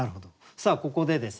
さあここでですね